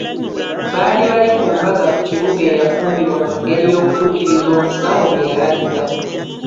Baali bali ku mbaga ku kibuga eyafumbibwa mu ngeri y'okutuukiriza omusawo bye yalagira.